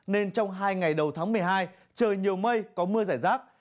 nên trong hai ngày đầu tháng một mươi hai trời nhiều mây có mưa rải rác